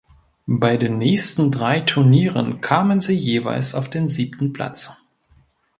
Bei den nächsten drei Turnieren kamen sie jeweils auf den siebten Platz.